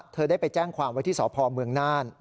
เธอได้ไปแจ้งความไว้ที่สพเมืองน่าน